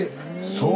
そう。